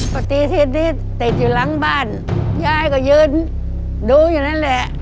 ปกติที่ติดอยู่หลังบ้านยายก็ยืนดูอยู่นั่นแหละ